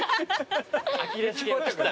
アキレス腱切った。